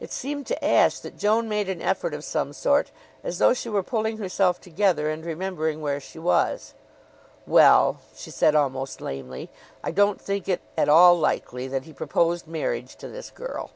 It seemed to Ashe that Joan made an effort of some sort as though she were pulling herself together and remembering where she was. "Well," she said, almost lamely, "I don't think it at all likely that he proposed marriage to this girl."